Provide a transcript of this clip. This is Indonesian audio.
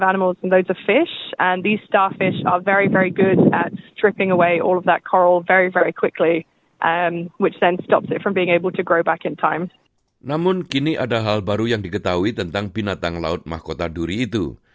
namun kini ada hal baru yang diketahui tentang binatang laut mahkota duri itu